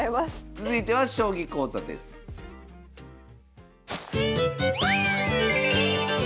続いては将棋講座です。